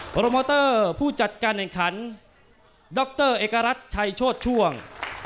โรโมเตอร์ผู้จัดการแข่งขันดรเอกรัฐชัยโชธช่วง